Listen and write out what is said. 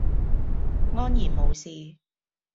安然無事